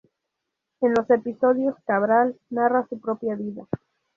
En los episodios, Cabral narra su propia vida.